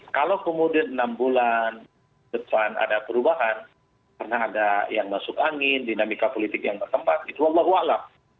kalau kemudian enam bulan depan ada perubahan karena ada yang masuk angin dinamika politik yang bertempat itu allah wallab